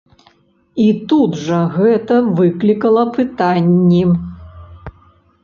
І тут жа гэта выклікала пытанні.